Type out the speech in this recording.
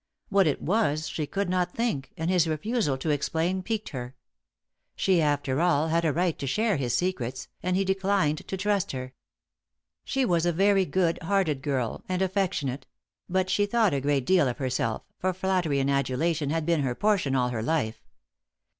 What it was she could not think, and his refusal to explain piqued her. She after all, had a right to share his secrets, and he declined to trust her. She was a very good hearted girl and affectionate; but she thought a great deal of herself, for flattery and adulation had been her portion all her life.